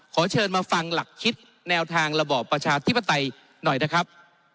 ขอเชิญมาฟังหลักคิดแนวทางระบอบประชาธิปไตยหน่อยนะครับ